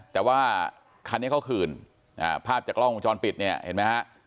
แต่ว่าคันนี้เขาคืนภาพจากกล้องวงจรปิดเนี่ยเห็นไหมฮะ